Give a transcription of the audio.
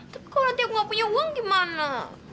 tapi kalau nanti aku gak punya uang gimana